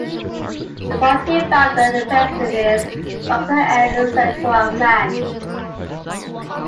The party founder and president is Doctor N. Sethuraman.